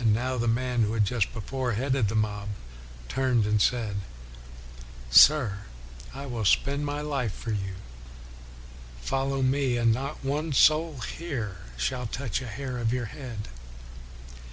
And now the man who had just before headed the mob, turned and said, ' Sir, I will spend my life for you; follow me and not one soul here shall touch a hair of your head.'